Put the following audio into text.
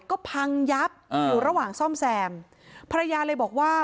ก็พังยับอยู่ระหว่างซ่อมแซมภรรยาเลยบอกว่า